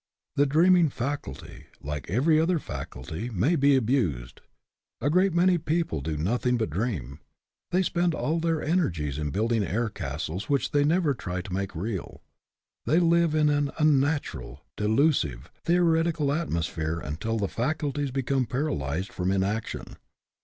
The dreaming faculty, like every other faculty, may be abused. A great many people do nothing but dream. They spend all their energies in building air castles which they never try to make real; they live in an un natural, delusive, theoretical atmosphere until the faculties become paralyzed from inaction.